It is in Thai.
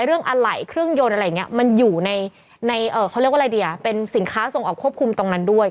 ต้องอะไหลเครื่องยนต์อะไรอย่างนี้มันอยู่ในเป็นสินค้าส่งออกควบคุมตรงนั้นด้วย